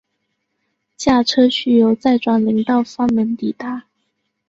驾车需由再转林道方能抵达。